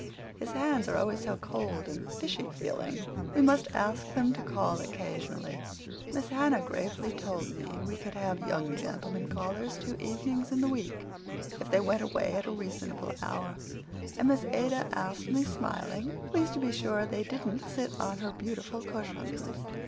His hands are always so cold and fishy feeling. We must ask them to call occasionally. Miss Hannah gravely told me we could have 'young gentlemen callers' two evenings in the week, if they went away at a reasonable hour; and Miss Ada asked me, smiling, please to be sure they didn't sit on her beautiful cushions.